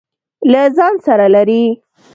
له ځان سره لري.